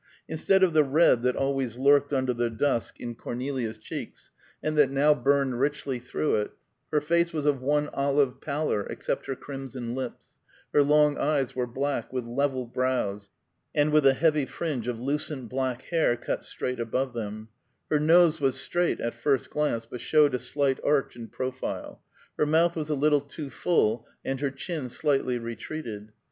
Instead of the red that always lurked under the dusk in Cornelia's cheeks, and that now burned richly through it, her face was of one olive pallor, except her crimson lips; her long eyes were black, with level brows, and with a heavy fringe of lucent black hair cut straight above them; her nose was straight, at first glance, but showed a slight arch in profile; her mouth was a little too full, and her chin slightly retreated.